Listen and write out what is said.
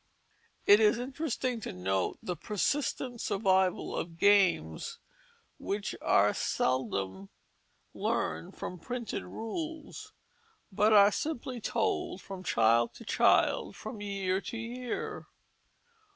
It is interesting to note the persistent survival of games which are seldom learned from printed rules, but are simply told from child to child from year to year.